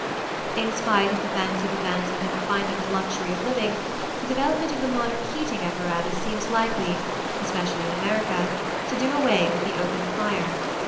In spite of the fancied advancement in refinement and luxury of living, the development of the modern heating apparatus seems likely, especially in America, to do away with the open fire.